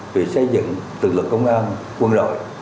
về xây dựng tự lực công an quân đội